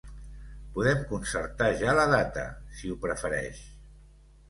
Podem concertar ja la data si ho prefereix.